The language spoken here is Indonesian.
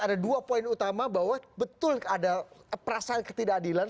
ada dua poin utama bahwa betul ada perasaan ketidakadilan